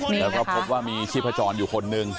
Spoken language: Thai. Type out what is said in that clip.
แล้วก็พบว่ามีชีพจรอยู่คนหนึ่ง